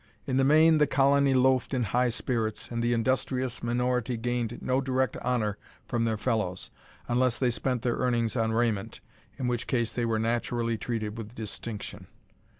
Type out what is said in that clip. In the main the colony loafed in high spirits, and the industrious minority gained no direct honor from their fellows, unless they spent their earnings on raiment, in which case they were naturally treated with distinction.